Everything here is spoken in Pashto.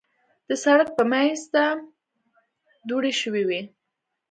د سړک منځ ته دوړې شوې وې.